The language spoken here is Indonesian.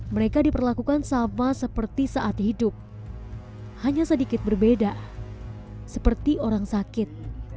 mereka diperlakukan sama seperti saat hidup hanya sedikit berbeda seperti orang sakit